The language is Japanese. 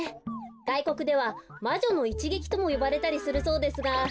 がいこくでは「まじょのいちげき」ともよばれたりするそうですが。